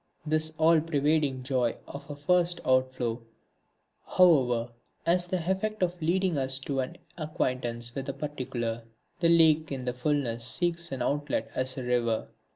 This all pervading joy of a first outflow, however, has the effect of leading us to an acquaintance with the particular. The lake in its fulness seeks an outlet as a river.